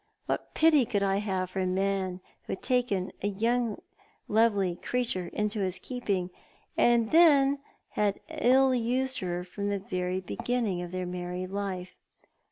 What pity could I have for a man who had taken a lovely young creature into his keeping, and had ill used her from the very beginning of their married life?